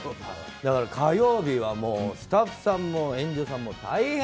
だから火曜日はスタッフさんも演者さんも大変。